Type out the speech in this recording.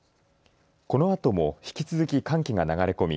このあとも引き続き寒気が流れ込み